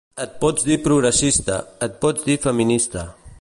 Et pots dir progressista, et pots dir feminista.